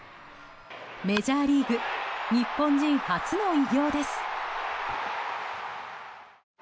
メジャーリーグ日本人初の偉業です。